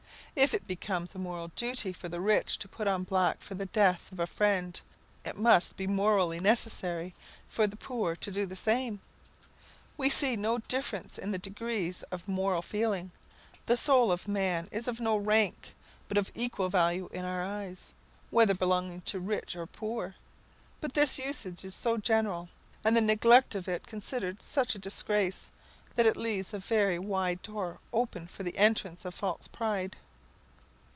If it becomes a moral duty for the rich to put on black for the death of a friend, it must be morally necessary for the poor to do the same. We see no difference in the degrees of moral feeling; the soul of man is of no rank, but of equal value in our eyes, whether belonging to rich or poor. But this usage is so general, and the neglect of it considered such a disgrace, that it leaves a very wide door open for the entrance of false pride.